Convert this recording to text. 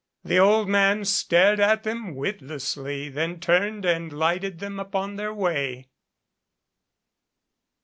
The old man stared at them witlessly, then turned and lighted them upon their way.